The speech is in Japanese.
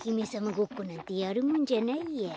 ごっこなんてやるもんじゃないや。